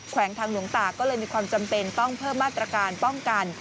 วงทางหลวงตาก็เลยมีความจำเป็นต้องเพิ่มมาตรการป้องกัน